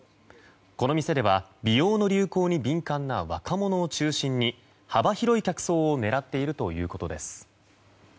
この店では美容の流行に敏感な若者を中心に幅広い客層を狙っているということです。